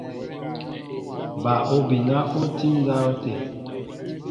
Bal obina oti ndáwte.